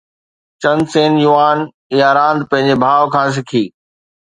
چن سين يوان اها راند پنهنجي ڀاءُ کان سکي